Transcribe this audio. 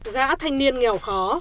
gã thanh niên nghèo khó